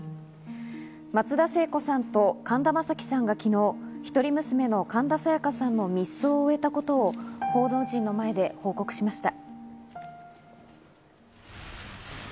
松田聖子さんと神田正輝さんが昨日、一人娘の神田沙也加さんの密葬を終えたことを報道陣の前で報告しました。